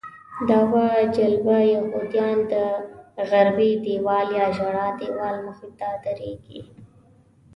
دعوه جلبه یهودیان د غربي دیوال یا ژړا دیوال مخې ته درېږي.